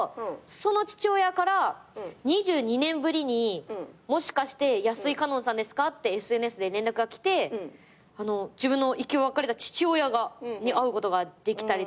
その父親から２２年ぶりに「もしかして安井かのんさんですか？」ってＳＮＳで連絡が来て自分の生き別れた父親に会うことができたりとか。